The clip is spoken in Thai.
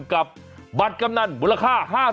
กับบัตรกำหนังบูรค่า๕๐๐บาท